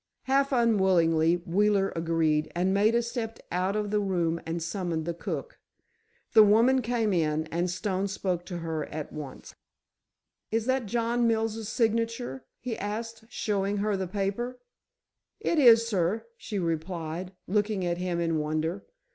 Half unwillingly, Wheeler agreed, and Maida stepped out of the room and summoned the cook. The woman came in, and Stone spoke to her at once. "Is that John Mills' signature?" he asked, showing her the paper. "It is, sir," she replied, looking at him in wonder.